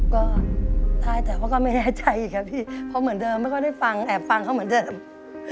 ก็ได้แต่ว่าก็ไม่แน่ใจอีกครับพี่เพราะเหมือนเดิมไม่ค่อยได้ฟังแอบฟังเขาเหมือนเดิม